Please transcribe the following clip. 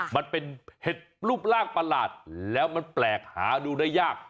มันเป็นเห็ดรูปร่างประหลาดแล้วมันแปลกหาดูได้ยาก